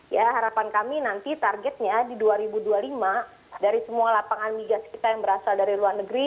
ya harapan kami nanti targetnya di dua ribu dua puluh lima dari semua lapangan migas kita yang berasal dari luar negeri